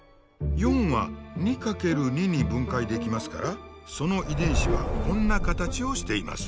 ４は２×２に分解できますからその遺伝子はこんな形をしています。